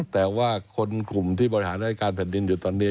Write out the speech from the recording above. แต่ว่าคนกลุ่มที่บริหารราชการแผ่นดินอยู่ตอนนี้